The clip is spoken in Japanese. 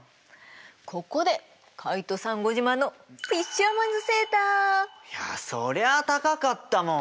ここでカイトさんご自慢のいやそりゃあ高かったもん。